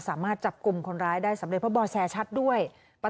สามารถจับกลุ่มคนร้ายได้สำเร็จเพราะบ่อแสชัดด้วย